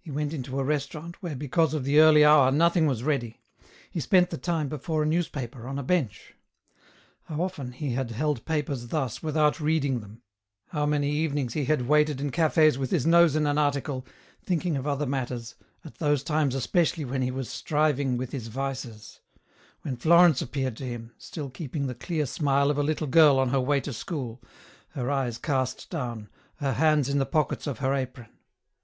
He went into a restaurant, where because of the early hour nothing was ready ; he spent the time before a newspaper, on a bench. How often he had held papers thus without reading them, how many evenings he had waited in cafes with his nose in an article, thinkmg of other matters, at those times especially when he was striving with his vices ; when Florence appeared to him, still keep ing the clear smile of a little girl on her way to school, her eyes cast down, her hands in the pockets of her apron.